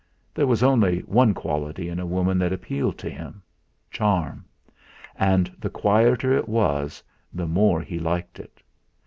There was only one quality in a woman that appealed to him charm; and the quieter it was, the more he liked it.